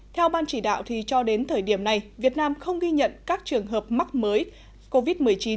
theo ban chỉ đạo cho đến thời điểm này việt nam không ghi nhận các trường hợp mắc mới covid một mươi chín